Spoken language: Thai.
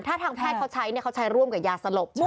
ถ้าทางแพทย์เขาใช้เขาใช้ร่วมกับยาสลบ